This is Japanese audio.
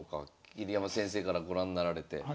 桐山先生からご覧なられて。